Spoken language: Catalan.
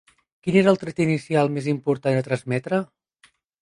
Quin era el tret inicial més important a transmetre?